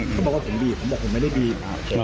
เขาบอกว่าผมบีบผมบอกผมไม่ได้บีบ